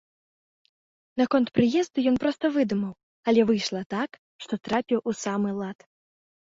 Наконт прыезду ён проста выдумаў, але выйшла так, што трапіў у самы лад.